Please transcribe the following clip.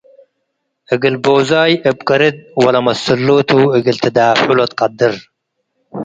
እግል ቦዛይ እብ ቅርድ ወለመስሉ ቱ እግል ትዳፍዑ ለትቀድር።